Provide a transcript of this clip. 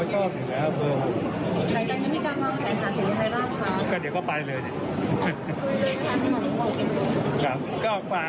ถ้าอยากให้กลับมาใหม่ก็เลือกเบอร์๙นะครับ